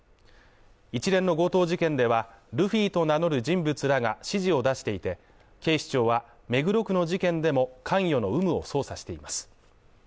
一連の強盗事件では、ルフィと名乗る人物らが指示を出していて、警視庁は、目黒区の事件でも、関与の有無を捜査しています。